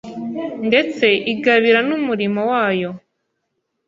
ndetse ingabira n’umurimo wayo